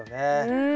うん！